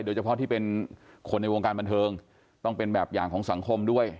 โดยเฉพาะที่เป็นคนในวงการบันเทิงต้องเป็นแบบอย่างของสังคมด้วย